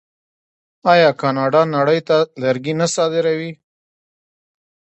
آیا کاناډا نړۍ ته لرګي نه صادروي؟